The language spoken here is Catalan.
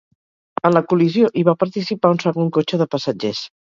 En la col·lisió hi va participar un segon cotxe de passatgers.